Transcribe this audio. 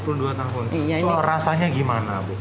empat puluh dua tahun soal rasanya gimana bu